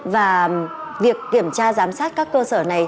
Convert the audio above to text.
và việc kiểm tra giám sát các cơ sở này